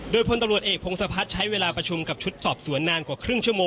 โดยพลตำรวจเอกพงศพัฒน์ใช้เวลาประชุมกับชุดสอบสวนนานกว่าครึ่งชั่วโมง